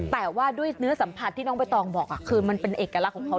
แต่ว่าด้วยเนื้อสัมผัสที่น้องใบตองบอกคือมันเป็นเอกลักษณ์ของเขา